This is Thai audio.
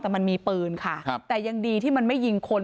แต่มันมีปืนค่ะครับแต่ยังดีที่มันไม่ยิงคน